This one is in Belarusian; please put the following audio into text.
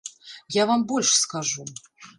Я вам больш скажу.